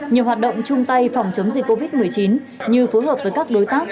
nhiều hoạt động chung tay phòng chống dịch covid một mươi chín như phối hợp với các đối tác